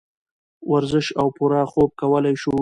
ورزش او پوره خوب کولے شو -